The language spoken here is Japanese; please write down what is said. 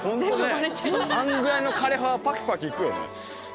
あんぐらいの枯れ葉はパキパキいくよね。